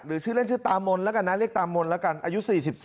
หรือชื่อเล่นชื่อตามวนะคั่งอายุ๔๔